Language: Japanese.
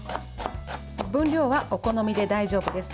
分量はお好みで大丈夫です。